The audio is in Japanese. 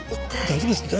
大丈夫ですか？